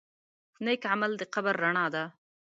نیک عمل د قبر رڼا ده.